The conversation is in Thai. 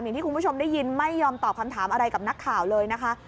อย่างที่คุณผู้ชมได้ยินไม่ยอมตอบคำถามอะไรกับนักข่าวเลยนะคะ